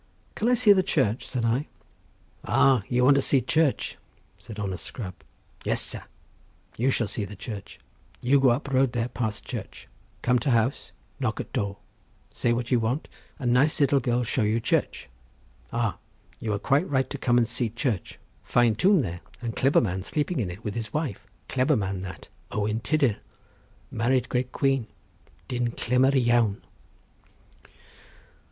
"Can I see the church?" said I. "Ah, you want to see the church," said honest Scrub. "Yes sar! you shall see the church. You go up road there past church—come to house, knock at door—say what you want—and nice little girl show you church. Ah, you quite right to come and see church—fine tomb there and clebber man sleeping in it with his wife, clebber man that—Owen Tiddir; married great queen—dyn clebber iawn."